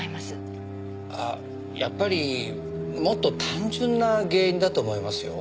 あやっぱりもっと単純な原因だと思いますよ。